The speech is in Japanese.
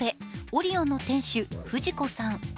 オリオンの店主、フジコさん。